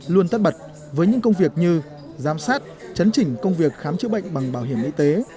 luôn tất bật với những công việc như giám sát chấn chỉnh công việc khám chữa bệnh bằng bảo hiểm y tế